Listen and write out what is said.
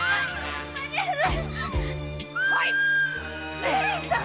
義姉さん